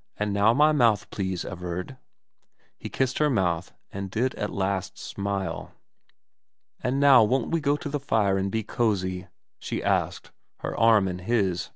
' And now my mouth, please, Everard.' 248 VERA XXII He kissed her mouth, and did at last smile. ' And now won't we go to the fire and be cosy ?' she asked, her arm in his.